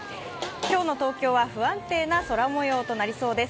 今日の東京は不安定な空もようとなりそうです。